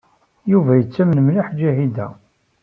Yuba yettamen mliḥ Ǧahida.